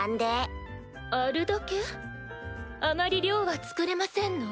あまり量は造れませんの？